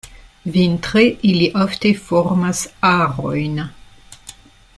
Vintre ili ofte formas arojn.